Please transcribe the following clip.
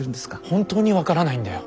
本当に分からないんだよ。